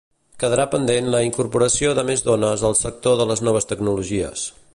Quedarà pendent la incorporació de més dones al sector de les noves tecnologies.